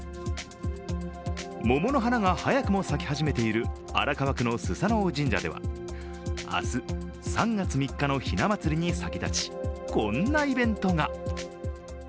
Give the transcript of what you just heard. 桃の花が早くも咲き始めている荒川区の素盞雄神社では明日３月３日のひな祭りに先立ちこんなイベントが。